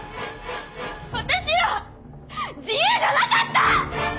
私は自由じゃなかった！